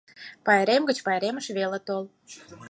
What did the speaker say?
Пайрем гыч пайремыш веле тол.